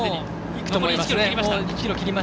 いくと思いますね。